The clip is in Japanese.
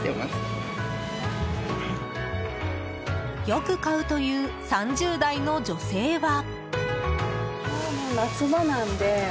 よく買うという３０代の女性は。